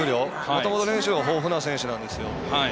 もともと練習量が豊富な選手なんですよ。